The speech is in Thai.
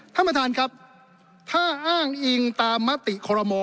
ท่านประธานครับถ้าอ้างอิงตามมติคอรมอ